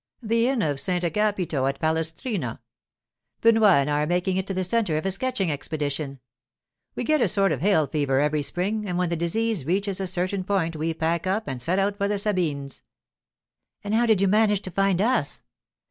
'The inn of Sant' Agapito at Palestrina. Benoit and I are making it the centre of a sketching expedition. We get a sort of hill fever every spring, and when the disease reaches a certain point we pack up and set out for the Sabines.' 'And how did you manage to find us?